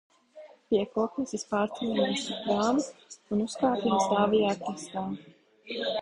Pie Kokneses pārceļamies ar prāmi un uzkāpjam stāvajā krastā.